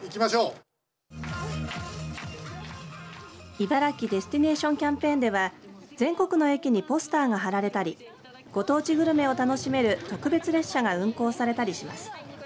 茨城デスティネーションキャンペーンでは全国の駅にポスターが貼られたりご当地グルメを楽しめる特別列車が運行されたりします。